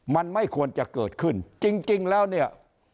มันไม่ควรจะเกิดขึ้นจริงแล้วเนี่ย